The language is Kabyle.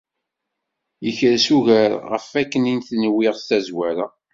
Yekres ugar ɣef akken i t-nwiɣ tazwara.